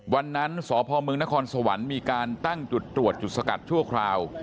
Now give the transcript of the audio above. วันนั้นสพมนครสวรรค์มีการตั้งจุดตรวจจุดสกัดชั่วคราว